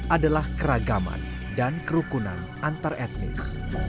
adalah keragaman dan kerukunan antar etnis